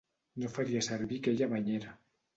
No faria servir aquella banyera.